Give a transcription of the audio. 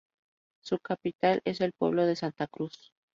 Su capital es el pueblo de Santa Cruz.